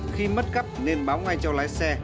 khi mất cắp nên báo ngay cho lái xe